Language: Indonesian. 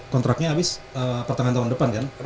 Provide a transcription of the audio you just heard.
kontraknya habis pertengahan tahun depan kan